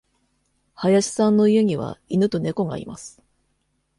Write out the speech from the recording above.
林さんの家には犬と猫がいます。